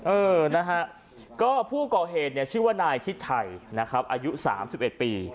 เออนะฮะก็ผู้ก่อเหตุเนี่ยชื่อว่านายชิดชัยนะครับอายุ๓๑ปี